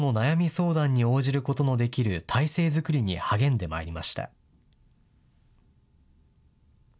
相談に応じることのできる体制作りに励んでまいりました。